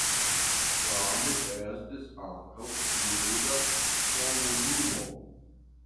Krome estis ankaŭ juda komunumo.